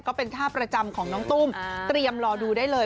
ก็เป็นท่าประจำของน้องตุ้มเตรียมรอดูได้เลย